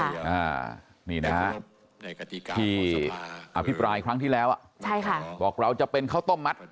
อ่านี่นะที่อภิปรายครั้งที่แล้วบอกเราจะเป็นข้าวต้มมัตต์